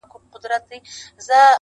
د لرګیو یې پر وکړله وارونه.!